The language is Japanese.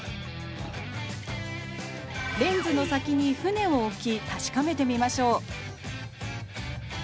レンズの先に船を置き確かめてみましょう。